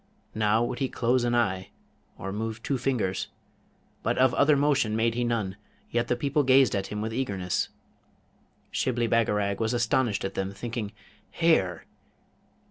Now would he close an eye, or move two fingers, but of other motion made he none, yet the people gazed at him with eagerness. Shibli Bagarag was astonished at them, thinking, 'Hair!